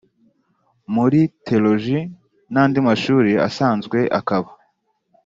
muri thelogy nandi mashuri asanzwe akaba